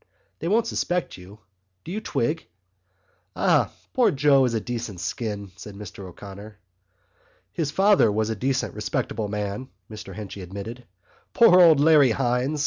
They won't suspect you. Do you twig?" "Ah, poor Joe is a decent skin," said Mr O'Connor. "His father was a decent respectable man," Mr Henchy admitted. "Poor old Larry Hynes!